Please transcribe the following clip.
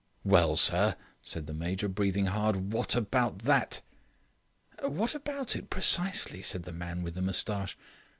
"Well, sir," said the Major, breathing hard, "what about that?" "What about it, precisely," said the man with the moustache.